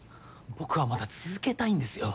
僕はまだ続けたいんですよ。